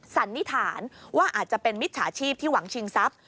สันนิษฐานว่าอาจจะเป็นมิจฉาชีพที่หวังชิงทรัพย์